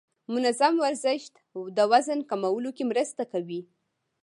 منظم ورزش د وزن کمولو کې مرسته کوي.